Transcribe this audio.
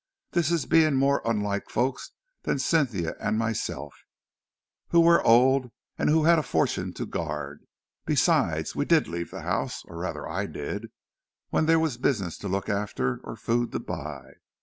That is being more unlike folks than Cynthia and myself, who were old and who had a fortune to guard. Besides we did leave the house, or rather I did, when there was business to look after or food to buy.